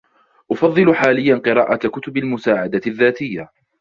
أفضل حاليا قراءة كتب المساعدة الذاتية.